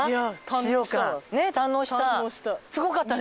堪能した。